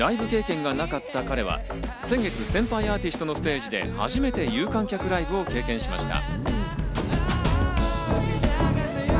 コロナ禍もあり、ライブ経験がなかった彼は先月、先輩アーティストのステージで初めて有観客ライブを経験しました。